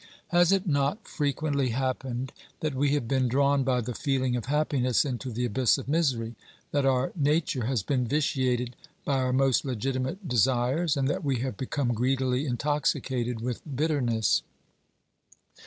" Has it not frequently happened that we have been drawn by the feeling of happiness into the abyss of misery, that our nature has been vitiated by our most legitimate desires, and that we have become greedily intoxicated with bitterness?